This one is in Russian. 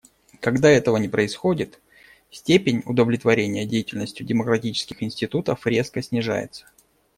Когда этого не происходит, степень удовлетворения деятельностью демократических институтов резко снижается.